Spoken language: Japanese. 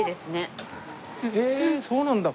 へえそうなんだ。